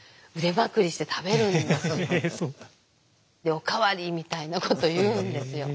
「お代わり」みたいなこと言うんですよ。